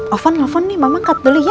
ovan ovan nih mama ngecut beli ya